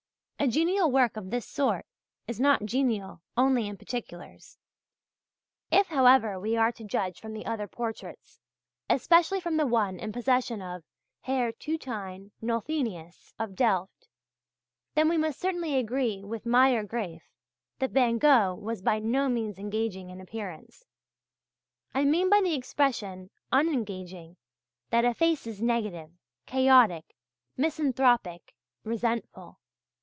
A genial work of this sort is not genial only in particulars. If, however, we are to judge from the other portraits, especially from the one in the possession of H. Tutein Nolthenius (of Delft), then we must certainly agree with Meier Graefe, that Van Gogh was "by no means engaging in appearance." I mean by the expression "unengaging" that a face is negative, chaotic, misanthropic, resentful.